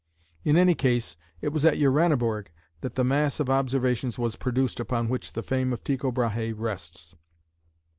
In any case it was at Uraniborg that the mass of observations was produced upon which the fame of Tycho Brahe rests.